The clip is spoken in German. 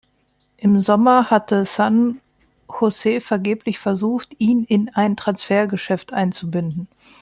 Im Sommer hatte San Jose vergeblich versucht, ihn in ein Transfergeschäft einzubinden.